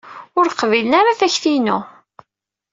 Ur qbilen ara takti-inu.